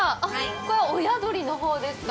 これは親鳥のほうですか？